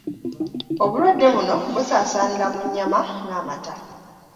Obulwadde buno busaasaanira mu nnyama n'amata